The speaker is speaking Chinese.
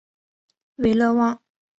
韦勒旺。